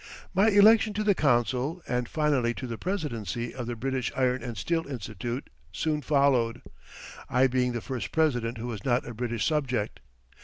My election to the council, and finally to the presidency of the British Iron and Steel Institute soon followed, I being the first president who was not a British subject.